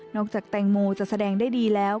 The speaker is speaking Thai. จากแตงโมจะแสดงได้ดีแล้ว